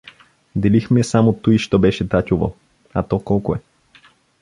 Делихме само туй, що беше татюво, а то колко е?